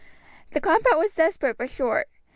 The combat was desperate but short.